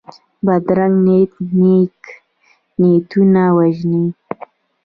بدرنګه نیت نېک نیتونه وژني